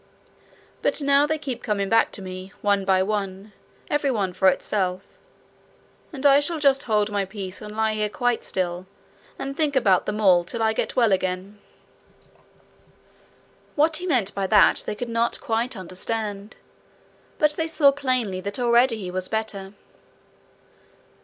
But now they keep coming back to me, one by one, every one for itself; and I shall just hold my peace, and lie here quite still, and think about them all till I get well again.' What he meant they could not quite understand, but they saw plainly that already he was better.